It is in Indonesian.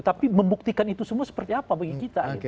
tapi membuktikan itu semua seperti apa bagi kita